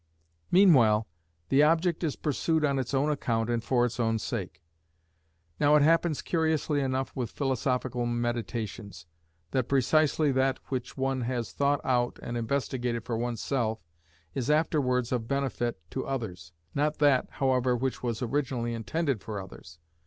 Meanwhile the object is pursued on its own account and for its own sake. Now it happens curiously enough with philosophical meditations, that precisely that which one has thought out and investigated for oneself, is afterwards of benefit to others; not that, however, which was originally intended for others.